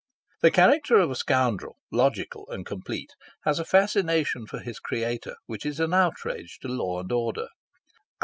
The character of a scoundrel, logical and complete, has a fascination for his creator which is an outrage to law and order.